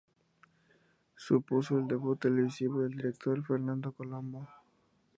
Supuso el debut televisivo del director Fernando Colomo.